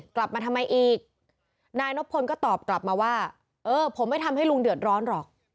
กลับมาทำไมอีกนายนบพลก็ตอบกลับมาว่าเออผมไม่ทำให้ลุงเดือดร้อนหรอก